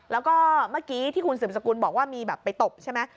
แล้วก็เมื่อกี้ที่คุณสืบสกุลบอกว่ามีแบบไปตบใช่ไหม